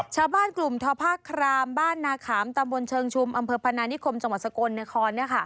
ชาวบ้านกลุ่มทภาครามบ้านนาขามตำบลเชิงชุมอำเภอพนานิคมจังหวัดสกลนคร